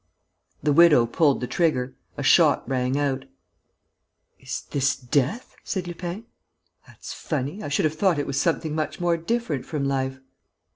The widow pulled the trigger. A shot rang out. "Is this death?" said Lupin. "That's funny! I should have thought it was something much more different from life!"